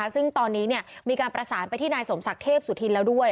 ซึ่งตอนนี้มีการประสานไปที่นายสมศักดิ์เทพสุธินแล้วด้วย